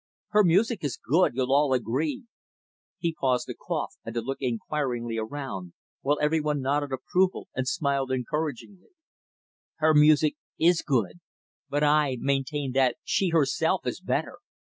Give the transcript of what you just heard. Her music is good, you'll all agree " he paused to cough and to look inquiringly around, while every one nodded approval and smiled encouragingly. "Her music is good but I maintain that she, herself, is better.